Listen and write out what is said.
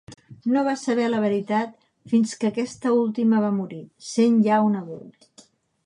No va saber la veritat fins que aquesta última va morir, sent ja un adult.